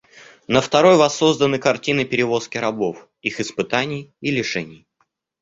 На второй воссозданы картины перевозки рабов, их испытаний и лишений.